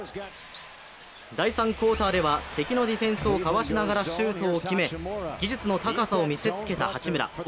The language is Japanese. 第３クオーターでは敵のディフェンスをかわしながらシュートを決め、技術の高さを見せつけた八村。